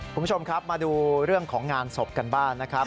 คุณผู้ชมครับมาดูเรื่องของงานศพกันบ้างนะครับ